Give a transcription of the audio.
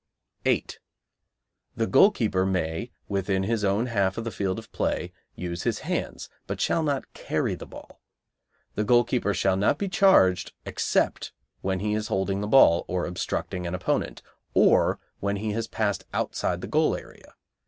The goalkeeper may, within his own half of the field of play, use his hands, but shall not carry the ball. The goalkeeper shall not be charged except when he is holding the ball or obstructing an opponent, or when he has passed outside the goal area.